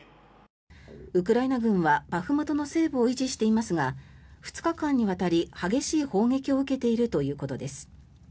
ウクライナ軍はバフムトの西部を維持していますが２日間にわたり、激しい砲撃を受けているということです。